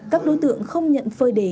các đối tượng không nhận phơi đề